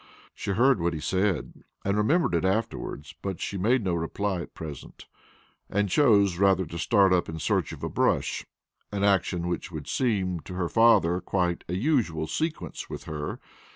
She heard what he said, and remembered it afterward, but she made no reply at present, and chose rather to start up in search of a brush an action which would seem to her father quite a usual sequence with her.